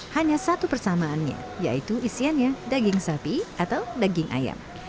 hanya satu persamaannya yaitu isiannya daging sapi atau daging ayam